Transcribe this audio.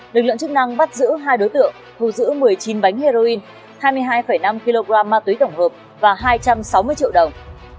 lực lượng chức năng bắt giữ hai đối tượng thu giữ một mươi chín bánh heroin hai mươi hai năm kg ma túy tổng hợp và hai trăm sáu mươi triệu đồng